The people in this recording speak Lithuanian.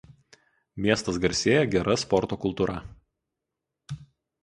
Miestas garsėja gera sporto kultūra.